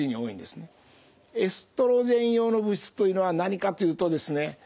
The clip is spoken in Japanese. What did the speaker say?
エストロゲン様の物質というのは何かというとですね